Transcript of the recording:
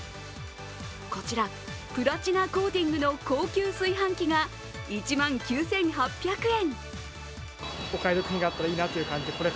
こちらプラチナコーティングの高級炊飯器が１万９８００円。